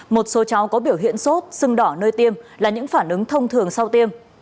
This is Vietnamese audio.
một số cháu có biểu hiện sốt sưng đỏ nơi tiêm là những phản ứng thông thường sau tiêm